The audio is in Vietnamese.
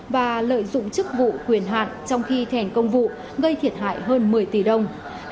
và lợi dụng chức vụ quyền hạn trong khi thèn công vụ gây thiệt hại hơn một mươi tỷ đồng